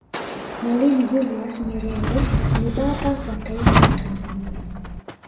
mwalimu julius nyerere ni baba was taifa la tanzania